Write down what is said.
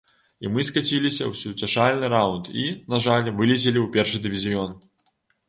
І мы скаціліся ў суцяшальны раўнд і, на жаль, вылецелі ў першы дывізіён.